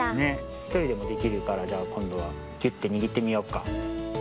ひとりでもできるからじゃあこんどはぎゅってにぎってみよっか。